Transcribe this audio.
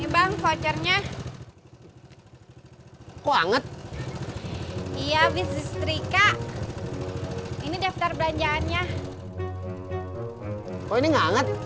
bang vouchernya kok anget iya bisnis trika ini daftar belanjaannya kok ini enggak anget